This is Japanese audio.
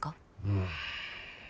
うん。